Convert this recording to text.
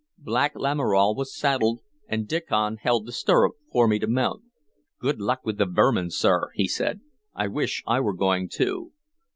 Black Lamoral was saddled, and Diccon held the stirrup for me to mount. "Good luck with the vermin, sir!" he said. "I wish I were going, too."